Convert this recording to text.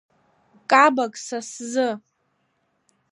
Кабак са сзы.